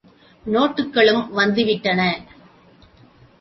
நோட்டுகளும் வந்து விட்டன.